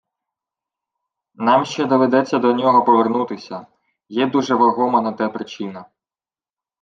Нам ще доведеться до нього повернутися, є дуже вагома на те причина